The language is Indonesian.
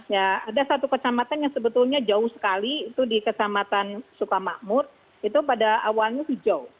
ya ada satu kecamatan yang sebetulnya jauh sekali itu di kecamatan sukamakmur itu pada awalnya hijau